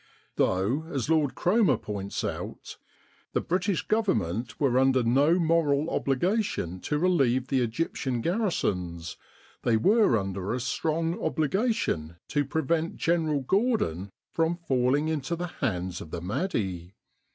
Though, as Lord Cromer points out, "the British Government were under no moral obligation to relieve the Egyptian garrisons, they were under a strong obligation to prevent General Gordon from falling into the hands of the Mahdi."